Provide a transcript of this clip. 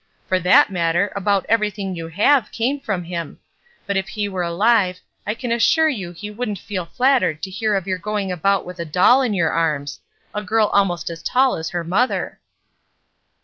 For that matter, about everything you have came from him; but if he were alive, I can assure you he wouldn't feel flattered to hear of your going about with a doll in your arms — a girl almost as tall as her mother!''